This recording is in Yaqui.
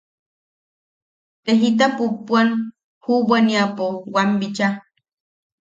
Te jita pupuan Jubuaniapo wam bicha.